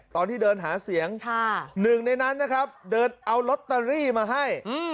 ตอนที่เดินหาเสียงหนึ่งในนั้นนะครับเดินเอาลอตเตอรี่มาให้